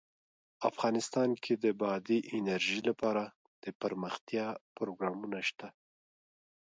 افغانستان کې د بادي انرژي لپاره دپرمختیا پروګرامونه شته.